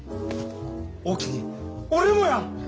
おおきに俺もや！